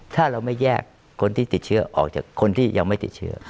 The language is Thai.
ถ้าเราไม่แยกคนที่ติดเชื้อออกจากคนที่ยังไม่ติดเชื้อ